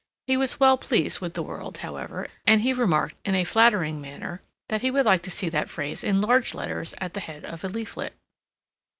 He was well pleased with the world, however, and he remarked, in a flattering manner, that he would like to see that phrase in large letters at the head of a leaflet.